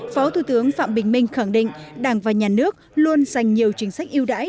phó thủ tướng phạm bình minh khẳng định đảng và nhà nước luôn dành nhiều chính sách yêu đãi